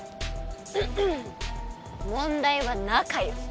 問題は中よ！